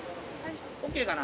ＯＫかな？